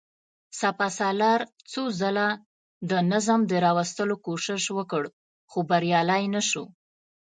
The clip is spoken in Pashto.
سپهسالار څو ځله د نظم د راوستلو کوشش وکړ، خو بريالی نه شو.